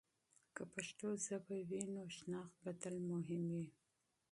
که پښتو ژبه وي، نو هویت به تل مهم وي.